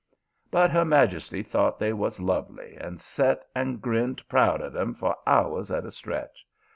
"But her majesty thought they was lovely, and set and grinned proud at 'em for hours at a stretch.